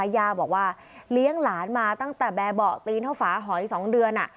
ย่าบอกว่าเลี้ยงหลานมาตั้งแต่แบบเบาะตีนเท่าฝาหอย๒เดือน